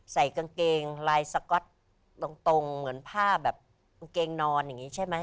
ใส่กางเกงลายสก๊อตตรงเหมือนผ้าแบบกางเกงนอนอย่างนี้ใช่ไหม